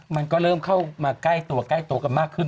มันก็เริ่มเข้ามาใกล้ตัวกันมากเลย